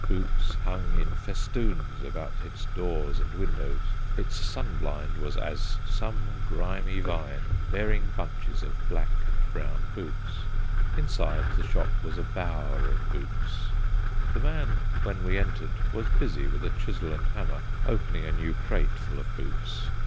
Boots hung in festoons about its doors and windows. Its sun blind was as some grimy vine, bearing bunches of black and brown boots. Inside, the shop was a bower of boots. The man, when we entered, was busy with a chisel and hammer opening a new crate full of boots.